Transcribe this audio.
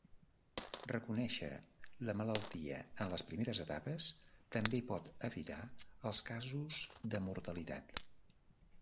Reconèixer la malaltia en les primeres etapes també pot evitar els casos de mortalitat.